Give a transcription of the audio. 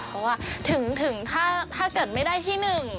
เพราะว่าถึงถ้าเกิดไม่ได้ที่๑